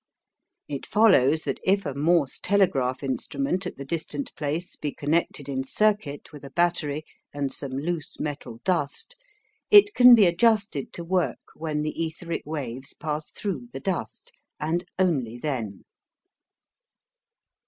It follows that if a Morse telegraph instrument at the distant place be connected in circuit with a battery and some loose metal dust, it can be adjusted to work when the etheric waves pass through the dust, and only then.